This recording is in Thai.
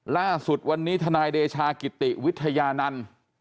ล่าสุดวันนี้ทนายเดชากิติวิทยานันต์